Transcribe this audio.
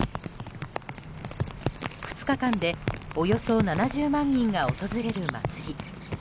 ２日間でおよそ７０万人が訪れる祭り。